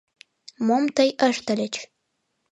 Мом тый ыштыльыч?